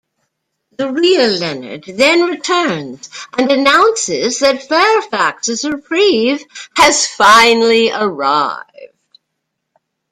The real Leonard then returns and announces that Fairfax's reprieve has finally arrived.